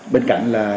bên cạnh là